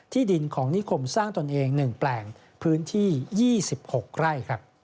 ดินของนิคมสร้างตนเอง๑แปลงพื้นที่๒๖ไร่